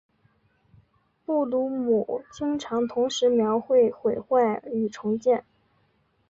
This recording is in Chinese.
布鲁姆经常同时描绘毁坏与重建。